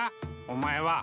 お前は。